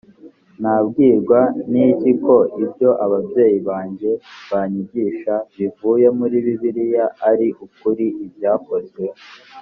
nabwirwa n iki ko ibyo ababyeyi banjye banyigisha bivuye muri bibiliya ari ukuri ibyakozwe